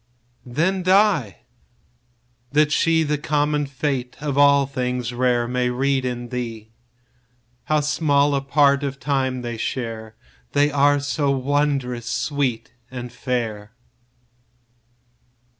15 Then die—that she The common fate of all things rare May read in thee; How small a part of time they share That are so wondrous sweet and fair!